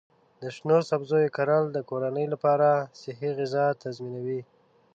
د شنو سبزیو کرل د کورنۍ لپاره صحي غذا تضمینوي.